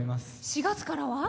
４月からは？